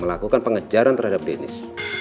melakukan pengejaran terhadap dennis